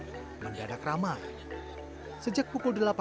jalan depan wantilan desa batu bulan kangin kecamatan sukawati kapupaten gianyar bali